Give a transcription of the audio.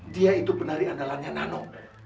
dia itu penari andalannya nano